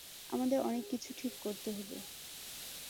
আমাদের অনেক কিছু ঠিক করতে হবে।